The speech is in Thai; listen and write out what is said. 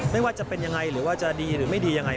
ไม่ว่าจะเป็นยังไงหรือว่าจะดีหรือไม่ดียังไง